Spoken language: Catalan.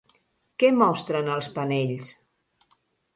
Què mostren els panells?